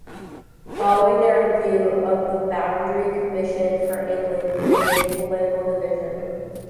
Following their review the Boundary Commission for England created the political division.